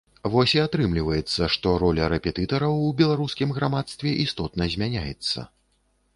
Вось і атрымліваецца, што роля рэпетытараў у беларускім грамадстве істотна змяняецца.